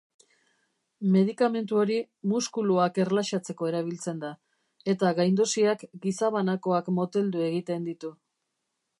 Medikamentu hori muskuluak erlaxatzeko erabiltzen da, eta gaindosiak gizabanakoak moteldu egiten ditu.